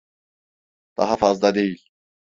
Daha fazla değil.